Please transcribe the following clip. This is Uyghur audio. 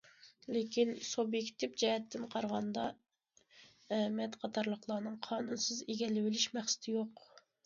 لېكىن سۇبيېكتىپ جەھەتتىن قارىغاندا، ئەمەت قاتارلىقلارنىڭ قانۇنسىز ئىگىلىۋېلىش مەقسىتى يوق.